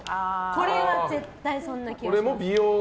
これは絶対そんな気がします。